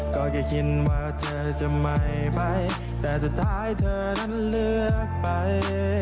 ก็จะคิดว่าเธอจะไม่ไปแต่สุดท้ายเธอนั้นเลือกไป